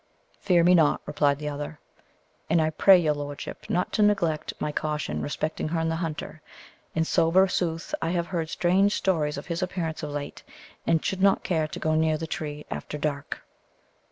"Fear me not," replied the other. "And I pray your lordship not to neglect my caution respecting Herne the Hunter. In sober sooth, I have heard strange stories of his appearance of late, and should not care to go near the tree after dark."